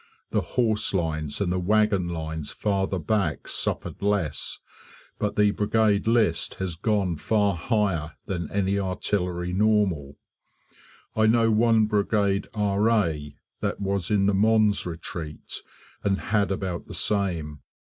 The horse lines and the wagon lines farther back suffered less, but the Brigade list has gone far higher than any artillery normal. I know one brigade R.A. that was in the Mons retreat and had about the same.